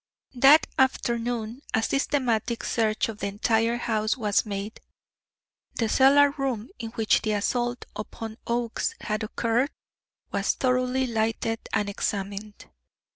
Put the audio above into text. That afternoon a systematic search of the entire house was made. The cellar room in which the assault upon Oakes had occurred was thoroughly lighted and examined.